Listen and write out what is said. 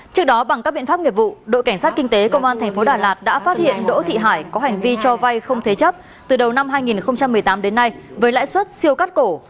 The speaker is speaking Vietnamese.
trước đó bằng các biện pháp nghiệp vụ đội cảnh sát kinh tế công an tp đà lạt đã phát hiện đỗ thị hải có hành vi cho vay không thế chấp từ đầu năm hai nghìn một mươi tám đến nay với lãi suất siêu cắt cổ